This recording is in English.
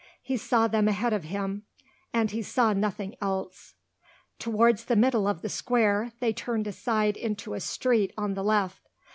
He saw them ahead of him, and he saw nothing else. Towards the middle of the square, they turned aside into a street on the left.